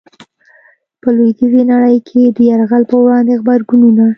په لويديځي نړۍ کي د يرغل په وړاندي غبرګونونه